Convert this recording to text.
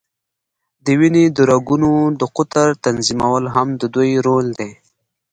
د وینې د رګونو د قطر تنظیمول هم د دوی رول دی.